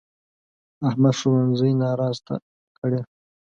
احمد ښوونځی ناراسته کړی.